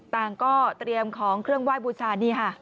ต่างก็เตรียมของเครื่องไหว้บูชานี่ค่ะ